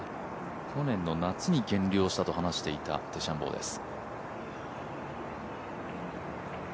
去年の夏に減量したと話していたデシャンボーです。